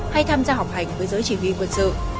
hay tham gia học hành với giới chỉ huy quân sự